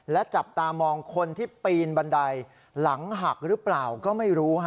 และจับตามองคนที่ปีนบันไดหลังหักหรือเปล่าก็ไม่รู้